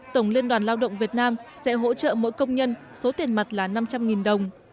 tổng liên đoàn lao động việt nam sẽ hỗ trợ mỗi công nhân số tiền mặt là năm trăm linh đồng